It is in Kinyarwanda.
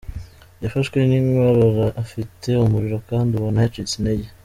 Yafashwe n’inkorora afite umuriro kandi ubona yacitse intege.